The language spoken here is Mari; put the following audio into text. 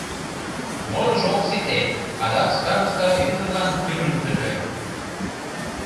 Молыжо ок сите — адак староста ӱдырлан тӱрым тӱрлӧ.